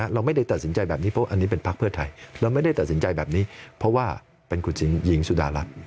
เราไม่ได้ตัดสินใจแบบนี้เพราะอันนี้เป็นพักเพื่อไทยเราไม่ได้ตัดสินใจแบบนี้เพราะว่าเป็นคุณหญิงสุดารัฐ